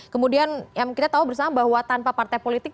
kemudian yang kita tahu bersama bahwa tanpa partai politik